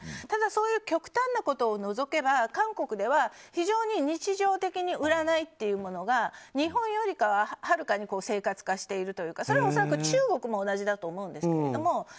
ただ、極端なことを除けば韓国では非常に日常的に占いというものが日本よりかははるかに生活化しているというかそれは恐らく中国も同じだと思うんですけれども。